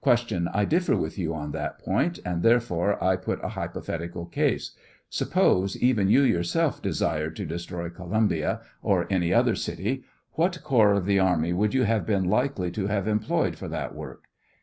I differ with you on that point, and therefore I put a hypothetical case ; suppose even you yourself desired to destroy Columbia, or any other city, what corps of the army would you have been likely to have employed for that work